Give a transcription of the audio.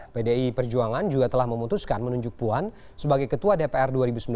pdi perjuangan juga telah memutuskan menunjuk puan sebagai ketua dpr dua ribu sembilan belas dua ribu dua puluh empat